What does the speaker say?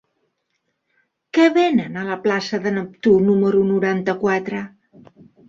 Què venen a la plaça de Neptú número noranta-quatre?